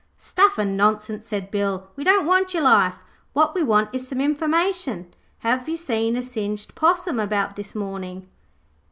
'Stuff an' nonsense,' said Bill. 'We don't want your life. What we want is some information. Have you seen a singed possum about this morning?'